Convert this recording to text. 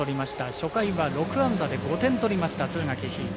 初回は６安打で５点取りました敦賀気比。